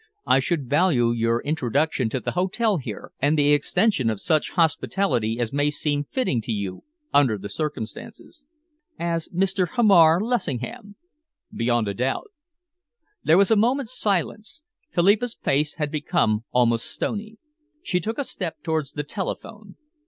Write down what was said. I should value your introduction to the hotel here, and the extension of such hospitality as may seem fitting to you, under the circumstances." "As Mr. Hamar Lessingham?" "Beyond a doubt." There was a moment's silence. Philippa's face had become almost stony. She took a step towards the telephone.